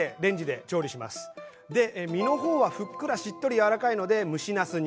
で身の方はふっくらしっとり柔らかいので蒸しなすに。